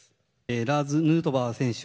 ラーズ・ヌートバー選手。